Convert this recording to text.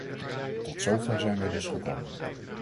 Tot zover zijn wij dus gekomen.